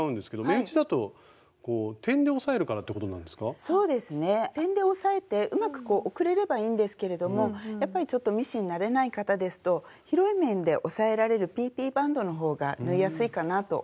点で押さえてうまく送れればいいんですけれどもやっぱりちょっとミシン慣れない方ですと広い面で押さえられるＰＰバンドのほうが縫いやすいかなと思います。